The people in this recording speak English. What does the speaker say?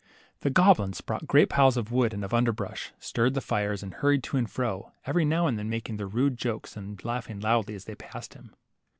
The goblins brought great piles of wood and of underbrush, stirred the fires, and hurried to and fro, every now and then making their rude jokes, and laughing loudly as they passed him.